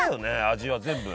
味は全部。